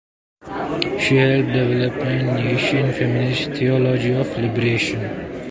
She helped develop an Asian feminist theology of liberation.